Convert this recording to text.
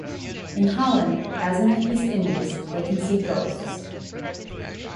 In Holland, as in the East Indies, they can see ghosts.